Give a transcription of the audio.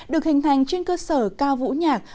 được hình thành trên cơ sở cao vũ nhạc